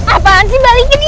apaan sih balikin ini